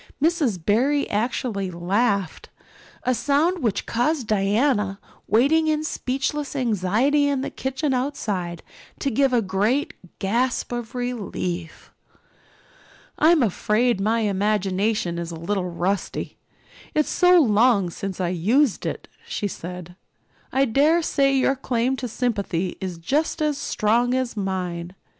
Miss Barry actually laughed a sound which caused Diana, waiting in speechless anxiety in the kitchen outside, to give a great gasp of relief. "I'm afraid my imagination is a little rusty it's so long since I used it," she said. "I dare say your claim to sympathy is just as strong as mine.